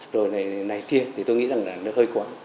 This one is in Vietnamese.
rồi này kia thì tôi nghĩ là nó hơi quá